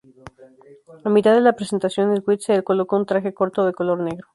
A mitad de la presentación, Swift se colocó un traje corto de color negro.